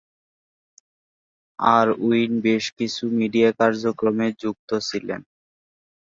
Irwin বেশকিছু media কার্যক্রমে যুক্ত ছিলেন।